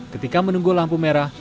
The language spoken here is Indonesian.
ketika menunggu lampu merah